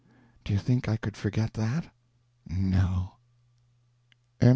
Do you think I could forget that? No.